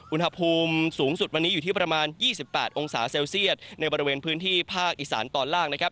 อุณหภูมิสูงสุดวันนี้อยู่ที่ประมาณ๒๘องศาเซลเซียตในบริเวณพื้นที่ภาคอีสานตอนล่างนะครับ